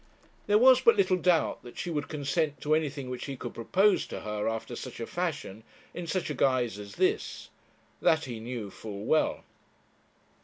There was but little doubt that she would consent to anything which he could propose to her after such a fashion, in such a guise as this; that he knew full well.